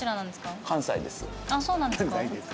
あっそうなんですか。